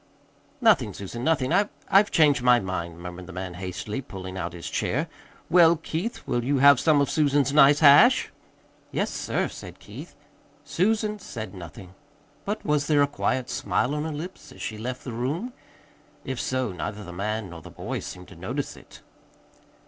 "Nothing, Susan, nothing. I I've changed my mind," murmured the man hastily, pulling out his chair. "Well, Keith, will you have some of Susan's nice hash?" "Yes, sir," said Keith. Susan said nothing. But was there a quiet smile on her lips as she left the room? If so, neither the man nor the boy seemed to notice it.